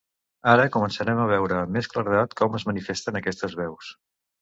Ara començarem a veure amb més claredat com es manifesten aquestes veus.